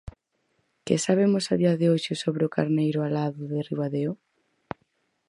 Que sabemos a día de hoxe sobre o Carneiro Alado de Ribadeo?